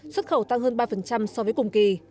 xuất khẩu tăng hơn ba so với cùng kỳ